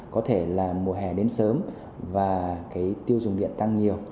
có thể là mùa hè đến sớm và cái tiêu dùng điện tăng nhiều